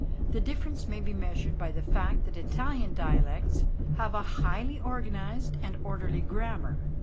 The difference may be measured by the fact that Italian dialects have a highly organized and orderly grammar.